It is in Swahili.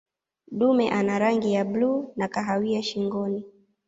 dume ana rangi ya bluu na kahawia shingoni